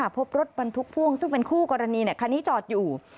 พบรถบรรทุกพ่วงซึ่งเป็นคู่กรณีคันนี้จอดอยู่